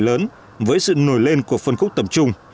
lớn với sự nổi lên của phân khúc tầm trung